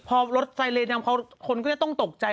พอรถไซโหลเนินเขาคนก็จะต้องตกใจ